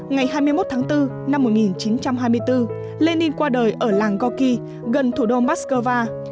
ngày hai mươi một tháng bốn năm một nghìn chín trăm hai mươi bốn lenin qua đời ở làng gorki gần thủ đô moscow